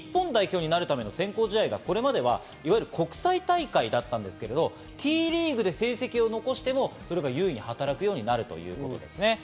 そして日本代表になるための選考試合が今まで国際大会だったんですが、Ｔリーグで成績を残しても、優位に働くようになるということです。